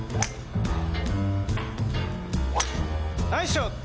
ナイスショット！